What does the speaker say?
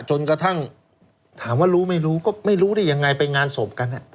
จนกระทั่งถามว่ารู้ไม่รู้ก็ไม่รู้ได้ยังไงไปงานศพกัน